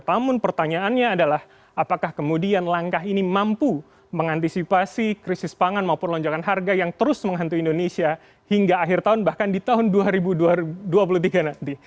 namun pertanyaannya adalah apakah kemudian langkah ini mampu mengantisipasi krisis pangan maupun lonjakan harga yang terus menghantui indonesia hingga akhir tahun bahkan di tahun dua ribu dua puluh tiga nanti